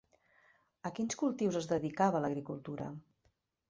A quins cultius es dedicava l'agricultura?